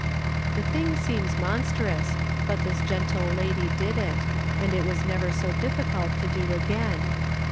The thing seems monstrous, but this gentle lady did it, and it was never so difficult to do again.